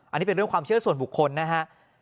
อันนี้เป็นเรื่องความเชื่อส่วนบุคคลนะฮะ